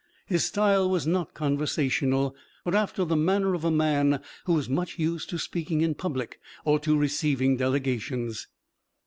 His style was not conversational, but after the manner of a man who was much used to speaking in public or to receiving delegations.